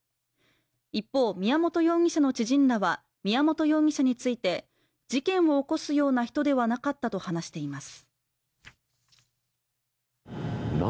一方、宮本容疑者の知人らは宮本容疑者について、事件を起こすような人ではなかったと話しています。